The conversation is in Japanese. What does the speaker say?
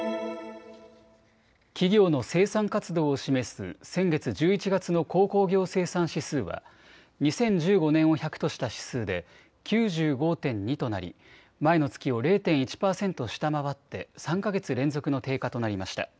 企業の生産活動を示す先月１１月の鉱工業生産指数は２０１５年を１００とした指数で９５．２となり前の月を０．１％下回って３か月連続の低下となりました。